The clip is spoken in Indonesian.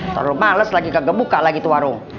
ntar lu males lagi kagak buka lagi tuh warung